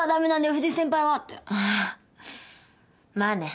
ああ。